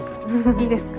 いいですか？